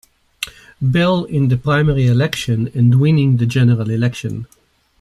Bell in the primary election and winning the general election.